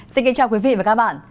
xin kính chào quý vị và các bạn